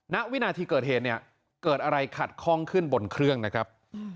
ณวินาทีเกิดเหตุเนี่ยเกิดอะไรขัดข้องขึ้นบนเครื่องนะครับ